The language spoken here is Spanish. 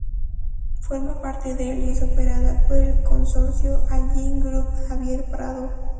Forma parte del y es operada por el consorcio Allin Group Javier Prado.